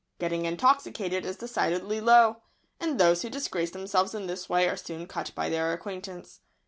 Getting intoxicated is decidedly "low," and those who disgrace themselves in this way are soon cut by their acquaintance.